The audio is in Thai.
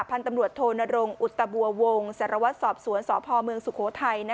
พันธุ์ตำรวจโธนรงค์อุตบัววงศ์สระวัสสอบสวนสพมสุโขทัย